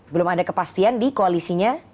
belum ada kepastian di koalisinya